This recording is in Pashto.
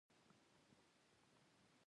په موټر کې ارګ چمن ته ولاړو.